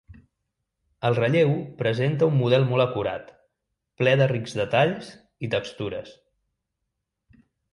El relleu presenta un model molt acurat, ple de rics detalls i textures.